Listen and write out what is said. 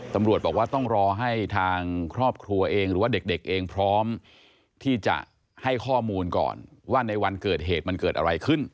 ตำรวจบอกว่าต้องรอให้ทางครอบครัวเองหรือว่าเด็กเองพร้อมที่จะให้ข้อมูลก่อนว่าในวันเกิดเหตุมันเกิดอะไรขึ้น